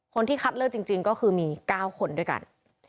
คนที่คัดเลือกจริงก็คือมี๙คนด้วยกัน